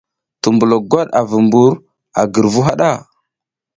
Tumbulo gwat a vu mbur a girvu haɗa.